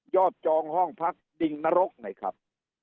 ยอดจองห้องพักดิ่งนรกไหมครับ